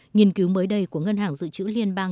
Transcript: nghiên cứu mới đây của ngân hàng dự trữ liên bang